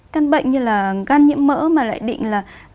căn bệnh như là gan nhiễm mỡ mà lại định là